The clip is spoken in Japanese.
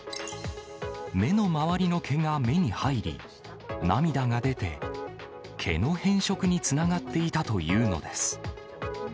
目の周りの毛が目に入り、涙が出て、毛の変色につながっていたというのです。